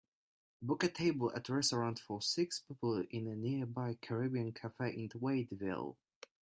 book a table at a restaurant for six people in a nearby caribbean cafe in Waiteville